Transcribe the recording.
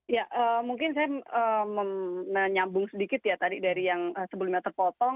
ya mungkin saya menyambung sedikit ya tadi dari yang sebelumnya terpotong